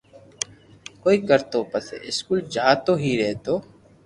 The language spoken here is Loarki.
ڪوئي ڪرتو پسو اسڪول جاتو ھي رھتو